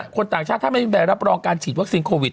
คนต่างชาติถ้าไม่มีใบรับรองการฉีดวัคซีนโควิด